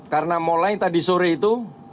karena mulai tadi sore itu